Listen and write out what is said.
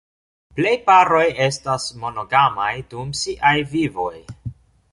Plej paroj estas monogamaj dum siaj vivoj.